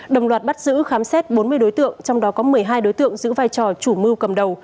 đồng loạt bắt giữ khám xét bốn mươi đối tượng trong đó có một mươi hai đối tượng giữ vai trò chủ mưu cầm đầu